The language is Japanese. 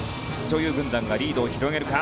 女優軍団がリードを広げるか！？